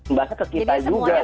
mbaknya ke kita juga gitu